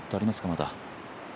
まだ。